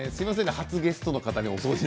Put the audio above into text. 初ゲストの方にお掃除。